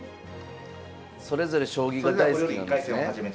それぞれ将棋が大好きなんですね。